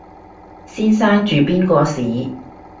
先生住邊個巿？